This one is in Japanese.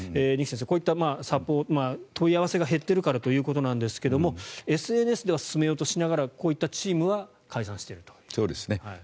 二木先生、こういった問い合わせが減っているからということなんですがＳＮＳでは進めようとしながらこういったチームは解散していると。